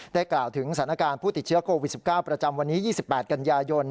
กล่าวถึงสถานการณ์ผู้ติดเชื้อโควิด๑๙ประจำวันนี้๒๘กันยายน